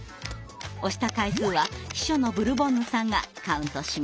押した回数は秘書のブルボンヌさんがカウントします。